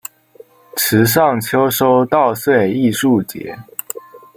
池上秋收稻穗艺术节